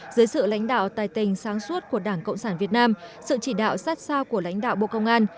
dưới sự lãnh đạo tài tình sáng suốt của đảng cộng sản việt nam sự chỉ đạo sát sao của lãnh đạo bộ công an